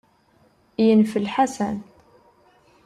Yenfel Ḥasan.